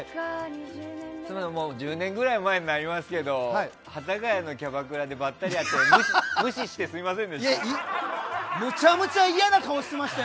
もう１０年前ぐらいになりますけど幡ヶ谷のキャバクラでばったり会ったとき無視してすみませんでした。